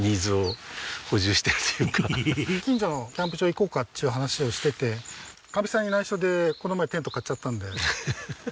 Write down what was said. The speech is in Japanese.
行こうかっていう話をしててかみさんに内緒でこの前テント買っちゃったんで。